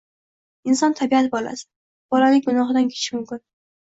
Inson – tabiat bolasi, bolaning gunohidan kechish mumkin.